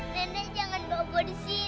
nenek jangan bobo disini